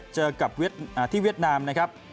เจอกับที่เวียดนามนะครับ